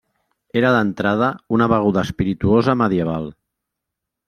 Era d'entrada una beguda espirituosa medieval.